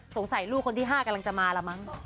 สงสัยลูกคนที่๕กำลังจะมาละมั้ง